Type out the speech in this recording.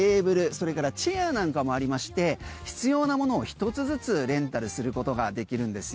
それからチェアなんかもありまして必要なものを一つずつレンタルすることができます。